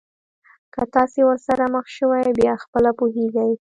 که تاسي ورسره مخ شوی بیا خپله پوهېږئ.